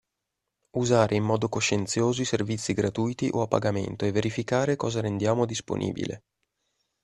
Usare in modo coscienzioso i servizi gratuiti o a pagamento e verificare cosa rendiamo disponibile.